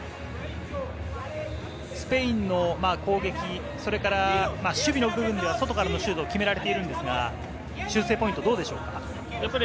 スペインの攻撃、それから守備の部分では外からのシュートを決められていますが、修正ポイントはどうでしょうか？